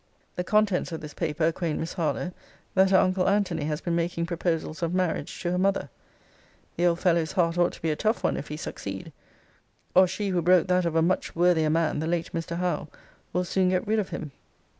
The contents of this paper acquaint Miss Harlowe, that her uncle Antony has been making proposals of marriage to her mother. The old fellow's heart ought to be a tough one, if he succeed; or she who broke that of a much worthier man, the late Mr. Howe, will soon get rid of him.